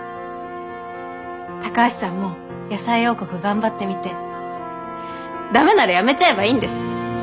高橋さんも野菜王国頑張ってみて駄目ならやめちゃえばいいんです。